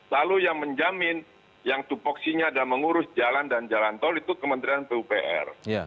lalu yang menjamin yang tupoksinya adalah mengurus jalan dan jalan tol itu kementerian pupr